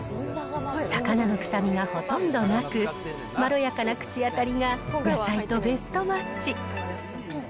魚の臭みがほとんどなく、まろやかな口当たりが、野菜とベストマッチ。